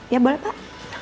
ya boleh pak